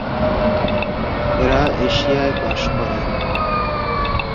এরা এশিয়ায় বাস করে।